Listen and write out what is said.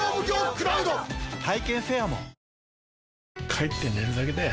帰って寝るだけだよ